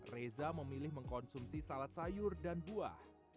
reza memilih mengkonsumsi salat sayur dan buah